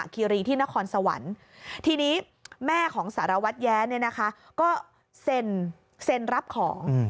เนี่ยนะคะก็เซลล์รับของ